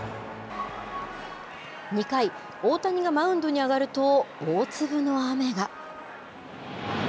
２回、大谷がマウンドに上がると、大粒の雨が。